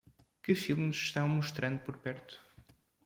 Que filmes estão mostrando por perto